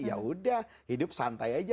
ya udah hidup santai aja